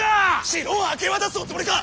城を明け渡すおつもりか！